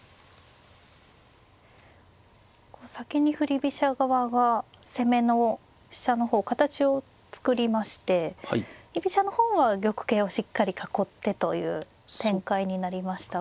こう先に振り飛車側が攻めの飛車の方形を作りまして居飛車の方は玉形をしっかり囲ってという展開になりましたが。